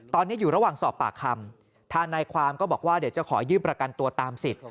ตอนนี้อยู่ระหว่างสอบปากคำทางนายความก็บอกว่าเดี๋ยวจะขอยื่นประกันตัวตามสิทธิ